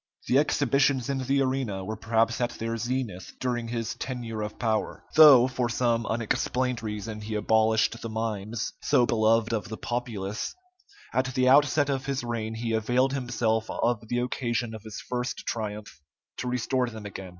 The exhibitions in the arena were perhaps at their zenith during his tenure of power. Though, for some unexplained reason, he abolished the mimes, so beloved of the populace, at the outset of his reign, he availed himself of the occasion of his first triumph to restore them again.